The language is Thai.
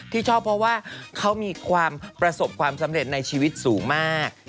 ที่ชอบเพราะว่าเขามีความประสบความสำเร็จในชีวิตสูงมาก